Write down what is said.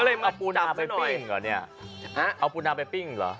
ก็เลยมันจับหน่อยเอาปูน้ำไปปิ้งเหรอ